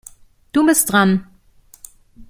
Du bist dran.